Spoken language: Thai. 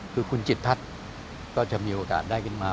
คือคุณจิตทัศน์ก็จะมีโอกาสได้ขึ้นมา